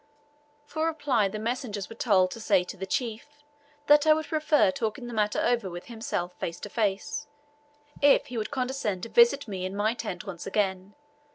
For reply the messengers were told to say to the chief that I would prefer talking the matter over with himself face to face, if he would condescend to visit me in my tent once again.